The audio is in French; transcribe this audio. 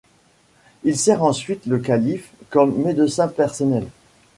Il sert ensuite le calife comme médecin personnel.